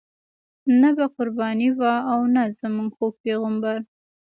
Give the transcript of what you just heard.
نه به قرباني وه او نه زموږ خوږ پیغمبر.